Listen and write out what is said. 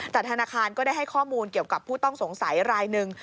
แต่ธนาคารก็ได้ให้ข้อมูลเกี่ยวกับผู้ต้องสงสัยรายหนึ่ง